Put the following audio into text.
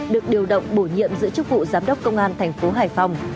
được điều động bổ nhiệm giữa chức vụ giám đốc công an tp hải phòng